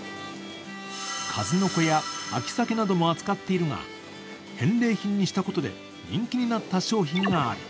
数の子や秋鮭なども扱っているが、返礼品にしたことで人気になった商品がある。